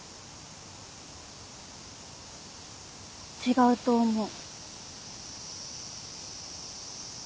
違うと思う。